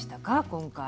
今回。